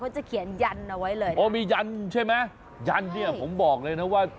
จะเขียนยันเอาไว้เลยอ๋อมียันใช่ไหมยันเนี่ยผมบอกเลยนะว่า